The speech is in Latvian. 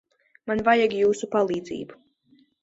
Man vajag jūsu palīdzību.